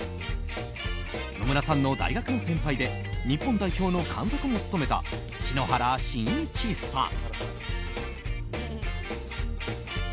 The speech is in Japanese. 野村さんの大学の先輩で日本代表の監督も務めた篠原信一さん。